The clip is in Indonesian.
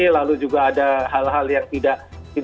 lalu juga ada hal hal yang tidak